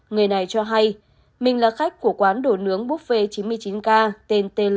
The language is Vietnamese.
người này cho hay mình là khách của quán đồ nướng buffet chín mươi chín k tên t l